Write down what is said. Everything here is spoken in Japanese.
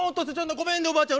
ごめんね、おばあちゃん